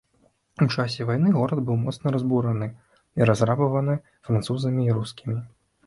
У часе вайны горад быў моцна разбураны і разрабаваны французамі і рускімі.